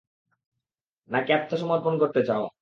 নাকি আত্মসমর্পণ করতে চাও?